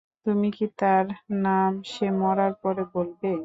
তুমি কি তার নাম সে মরার পরে বলবে?